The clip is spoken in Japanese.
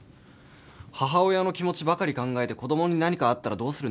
母親の気持ちばかり考えて子供に何かあったらどうするんですか？